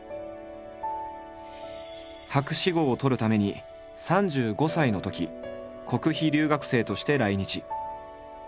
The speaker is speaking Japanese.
博士号を取るために３５歳のとき国費留学生として来日。